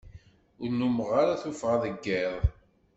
Ur nnumeɣ ara tuffɣa deg iḍ.